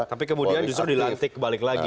tapi kemudian justru dilantik balik lagi